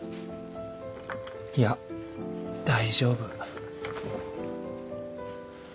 いや大丈夫